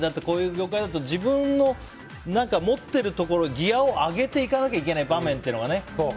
こういう業界だと自分の持ってるところギアを上げていかないといけない場面というかね。